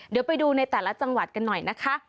เดี๋ยวไปดูในแต่ละจังหวัดกันหน่อยนะคะ